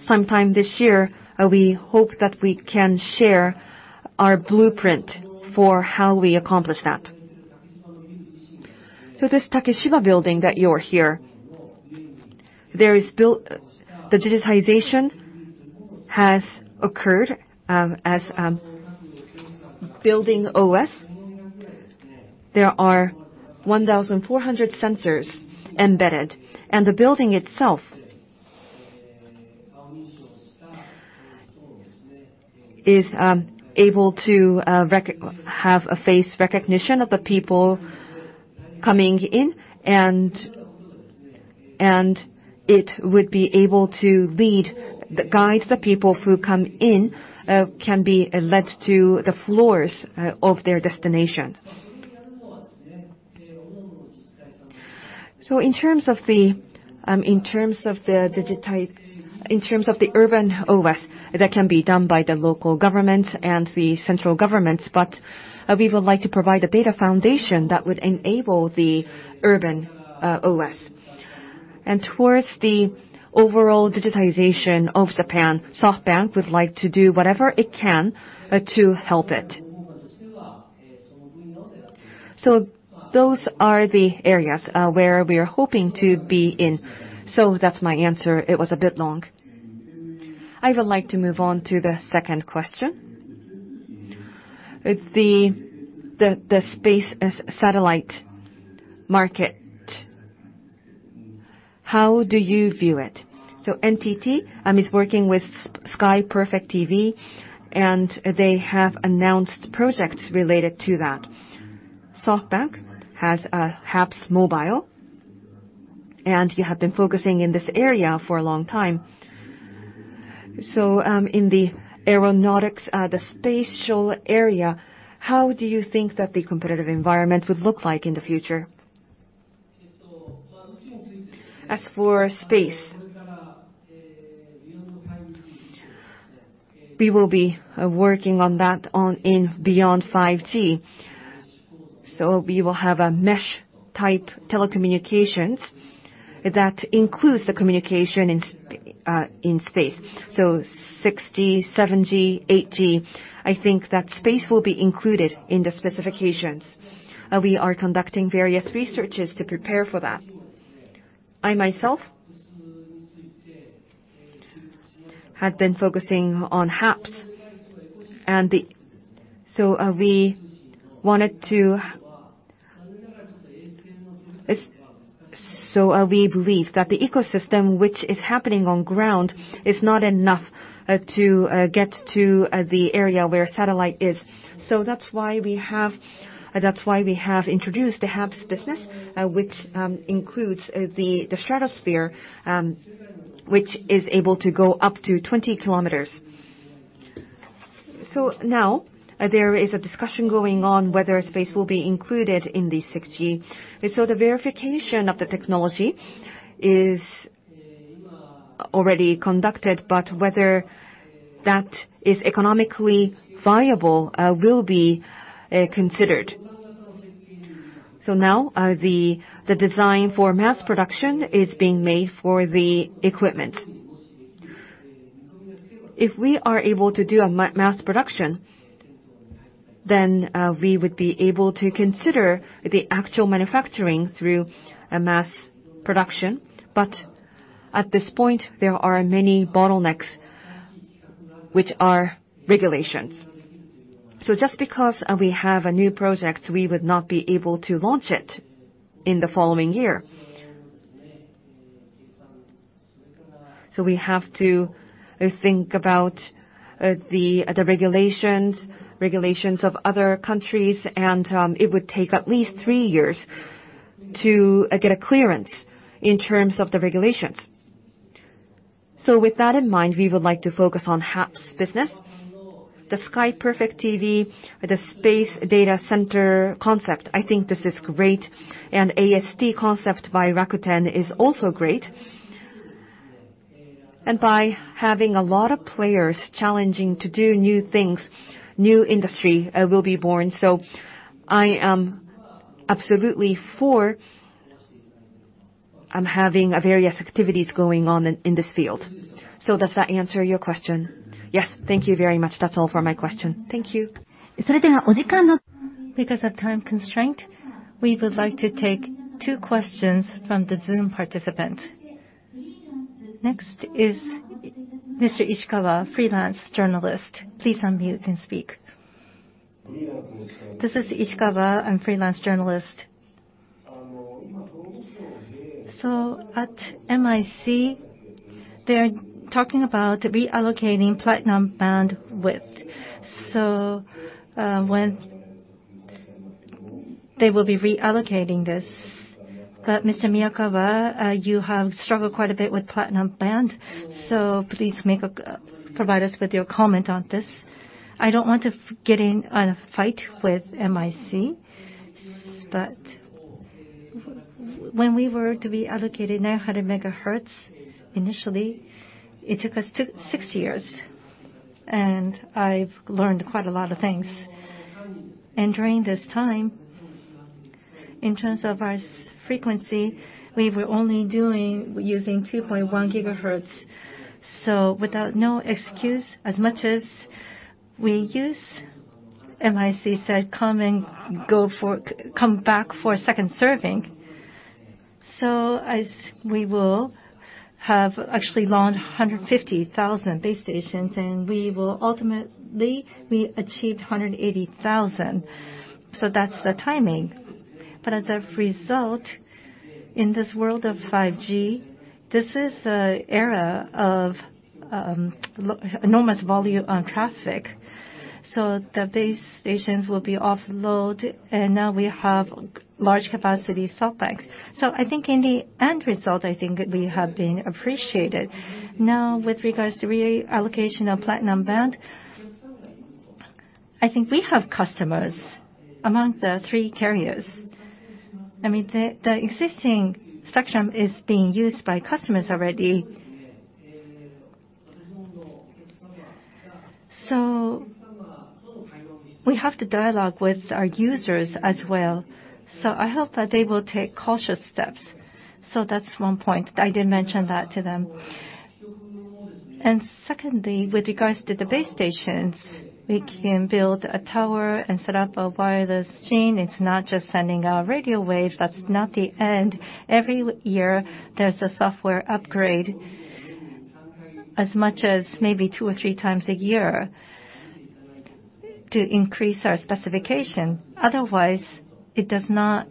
Sometime this year, we hope that we can share our blueprint for how we accomplish that. This Takeshiba building that you're here, the digitization has occurred, as building OS. There are 1,400 sensors embedded, and the building itself is able to have a face recognition of the people coming in, and it would be able to guide the people who come in, can be led to the floors of their destination. In terms of the urban OS, that can be done by the local government and the central governments, but we would like to provide a data foundation that would enable the urban OS. Towards the overall digitization of Japan, SoftBank would like to do whatever it can to help it. Those are the areas where we are hoping to be in. That's my answer. It was a bit long. I would like to move on to the second question. The space satellite market, how do you view it? NTT is working with SKY Perfect TV, and they have announced projects related to that. SoftBank has HAPSMobile, and you have been focusing in this area for a long time. In the aeronautics, the spatial area, how do you think that the competitive environment would look like in the future? As for space, we will be working on that in Beyond 5G. We will have a mesh-type telecommunications that includes the communication in space. 6G, 7G, 8G, I think that space will be included in the specifications. We are conducting various researches to prepare for that. I myself have been focusing on HAPS. We believe that the ecosystem which is happening on ground is not enough to get to the area where satellite is. That's why we have introduced the HAPS business, which includes the stratosphere, which is able to go up to 20 km. Now there is a discussion going on whether space will be included in the 6G. The verification of the technology is already conducted, but whether that is economically viable will be considered. Now, the design for mass production is being made for the equipment. If we are able to do a mass production, then we would be able to consider the actual manufacturing through mass production. At this point, there are many bottlenecks, which are regulations. Just because we have a new project, we would not be able to launch it in the following year. We have to think about the regulations of other countries, and it would take at least three years to get a clearance in terms of the regulations. With that in mind, we would like to focus on HAPS business. The SKY Perfect TV, the space data center concept, I think this is great, and AST concept by Rakuten is also great. By having a lot of players challenging to do new things, new industry will be born. I am absolutely for having various activities going on in this field. Does that answer your question? Yes. Thank you very much. That's all for my question. Thank you. Because of time constraint, we would like to take two questions from the Zoom participants. Next is Mr. Ishikawa, freelance journalist. Please unmute and speak. This is Ishikawa, I'm a freelance journalist. At MIC, they're talking about reallocating platinum band. When they will be reallocating this. Mr. Miyakawa, you have struggled quite a bit with platinum band, so please provide us with your comment on this. I don't want to get in a fight with MIC, but when we were to be allocated 900 MHz initially, it took us six years, and I've learned quite a lot of things. During this time, in terms of our frequency, we were only using 2.1 GHz. With no excuse, as much as we use, MIC said, "Come back for a second serving." We will have actually launched 150,000 base stations, and we will ultimately achieve 180,000. That's the timing. As a result, in this world of 5G, this is an era of enormous volume on traffic. The base stations will be offload, and now we have large capacity cell banks. I think in the end result, I think we have been appreciated. With regards to reallocation of platinum band, I think we have customers among the three carriers. I mean, the existing spectrum is being used by customers already. We have to dialogue with our users as well. I hope that they will take cautious steps. That's one point. I did mention that to them. Secondly, with regards to the base stations, we can build a tower and set up a wireless chain. It's not just sending out radio waves. That's not the end. Every year, there's a software upgrade, as much as maybe two or three times a year, to increase our specification. Otherwise, it does not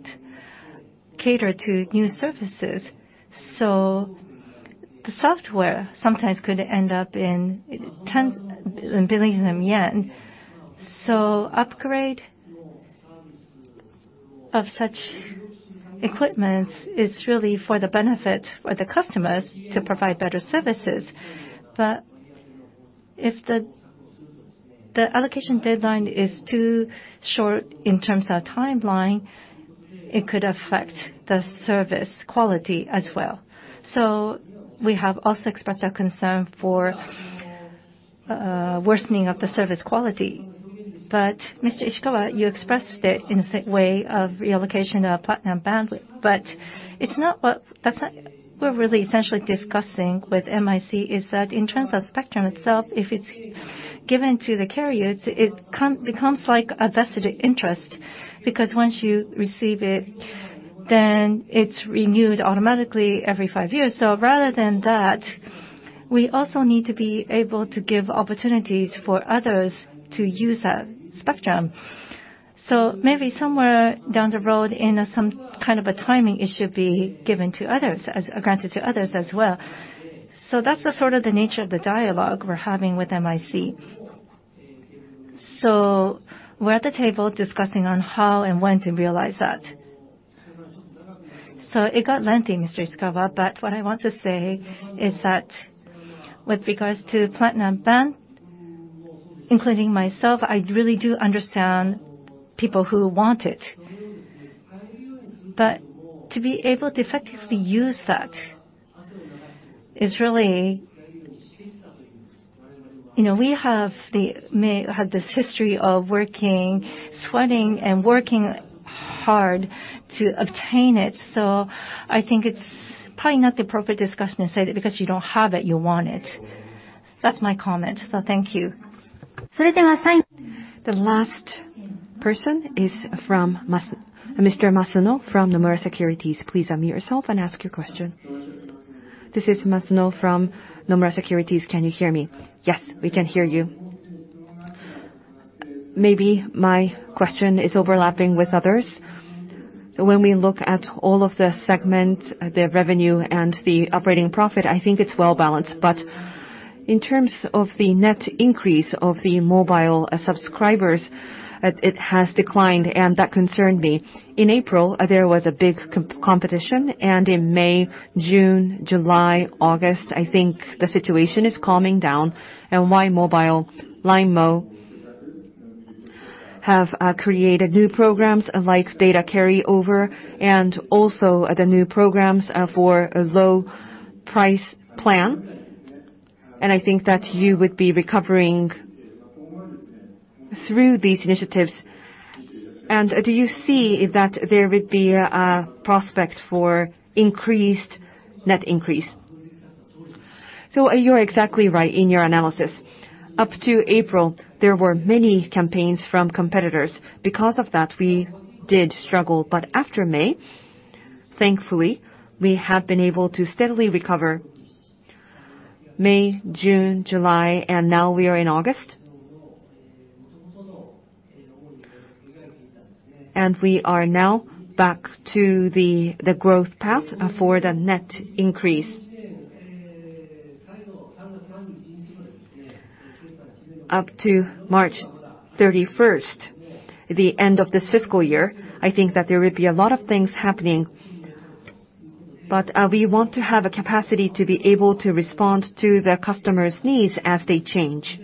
cater to new services. The software sometimes could end up in billions of yen. Upgrade of such equipment is really for the benefit for the customers to provide better services. If the allocation deadline is too short in terms of timeline, it could affect the service quality as well. We have also expressed our concern. A worsening of the service quality. Mr. Ishikawa, you expressed it in the way of reallocation of platinum bandwidth. What we're really essentially discussing with MIC is that in terms of spectrum itself, if it's given to the carriers, it becomes like a vested interest, because once you receive it, then it's renewed automatically every five years. Rather than that, we also need to be able to give opportunities for others to use that spectrum. Maybe somewhere down the road, in some kind of a timing, it should be given to others, or granted to others as well. That's the nature of the dialogue we're having with MIC. We're at the table discussing on how and when to realize that. It got lengthy, Mr. Ishikawa, but what I want to say is that with regards to platinum band, including myself, I really do understand people who want it. To be able to effectively use that is really we have this history of working, sweating, and working hard to obtain it. I think it's probably not the appropriate discussion to say that because you don't have it, you want it. That's my comment. Thank you. The last person is Mr. Masuno from Nomura Securities. Please unmute yourself and ask your question. This is Masuno from Nomura Securities. Can you hear me? Yes, we can hear you. Maybe my question is overlapping with others. When we look at all of the segment, the revenue and the operating profit, I think it's well-balanced. In terms of the net increase of the mobile subscribers, it has declined and that concerned me. In April, there was a big competition, and in May, June, July, August, I think the situation is calming down. Y!mobile, LINEMO, have created new programs like data carry over and also the new programs for a low price plan. I think that you would be recovering through these initiatives. Do you see that there would be a prospect for net increase? You are exactly right in your analysis. Up to April, there were many campaigns from competitors. We did struggle. After May, thankfully, we have been able to steadily recover. May, June, July, and now we are in August, and we are now back to the growth path for the net increase. Up to March 31st, the end of this fiscal year, I think that there will be a lot of things happening. We want to have a capacity to be able to respond to the customer's needs as they change.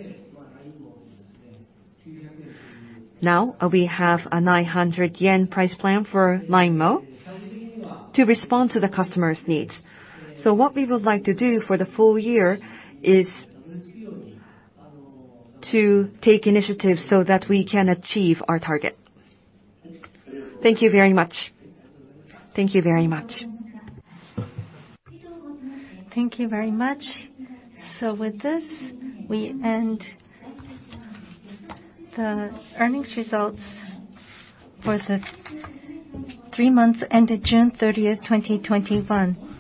Now we have a 900 yen price plan for LINEMO to respond to the customer's needs. What we would like to do for the full year is to take initiatives so that we can achieve our target. Thank you very much. Thank you very much. Thank you very much. With this, we end the earnings results for the three months ended June 30th, 2021.